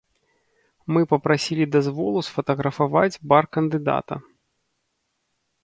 Мы папрасілі дазволу сфатаграфаваць бар кандыдата.